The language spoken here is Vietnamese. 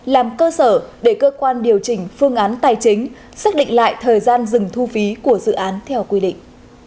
làm cơ sở để cơ quan điều chỉnh phương án tài chính xác định lại thời gian dừng thu phí của dự án theo quy định